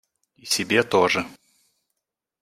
И себе тоже.